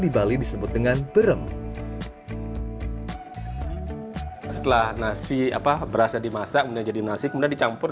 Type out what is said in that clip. di bali disebut dengan brem setelah nasi apa berasa dimasak menjadi nasi kemudian dicampur